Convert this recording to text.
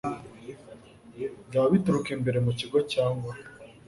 byaba bituruka imbere mu kigo cyangwa